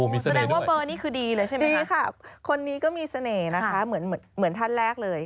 มีเสน่ห์ด้วยดีค่ะคนนี้ก็มีเสน่ห์นะคะเหมือนท่านแรกเลย